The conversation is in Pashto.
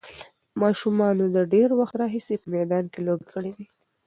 ماشومانو له ډېر وخت راهیسې په میدان کې لوبې کړې وې.